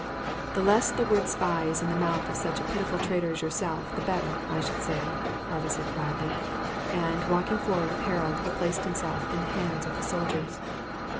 "The less the word spy is in the mouth of such a pitiful traitor as yourself the better, I should say," Harvey said quietly; and, walking forward with Harold, he placed himself in the hands of the soldiers.